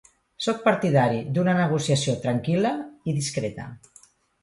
Soc partidari d'una negociació tranquil·la i discreta.